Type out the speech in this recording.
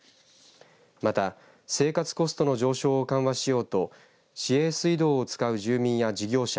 また生活コストの上昇を緩和しようと市営水道を使う住民や事業者